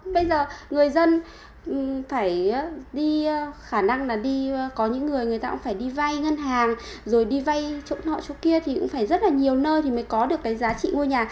bây giờ người dân phải đi khả năng là đi có những người người ta cũng phải đi vay ngân hàng rồi đi vay chỗ nọ chỗ kia thì cũng phải rất là nhiều nơi thì mới có được cái giá trị mua nhà